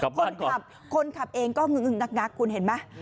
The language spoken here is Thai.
กลับบ้านก่อนคนขับเองก็งึงงึงนักนักคุณเห็นไหมอืม